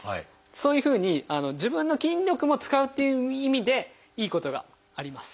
そういうふうに自分の筋力も使うっていう意味でいいことがあります。